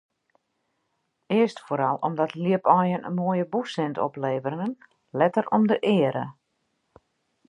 Earst foaral omdat ljipaaien in moaie bûssint opleveren, letter om de eare.